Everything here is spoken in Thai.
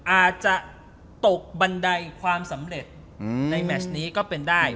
อาจจะตกบันไดความสำเร็จในแมชนี้ก็เป็นได้